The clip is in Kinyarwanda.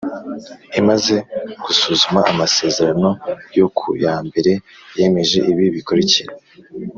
Imaze gusuzuma Amasezerano yo ku ya mbere yemeje ibi bikurikira